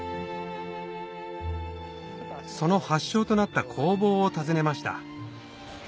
その発祥となった工房を訪ねました